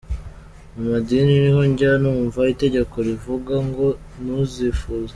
Mu madini ni ho njya numva itegeko rivuga ngo “ntuzifuze…”.